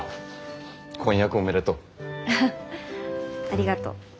ありがとう。